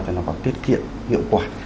cho nó có tiết kiệm hiệu quả